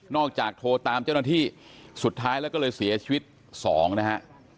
จากโทรตามเจ้าหน้าที่สุดท้ายแล้วก็เลยเสียชีวิตสองนะฮะ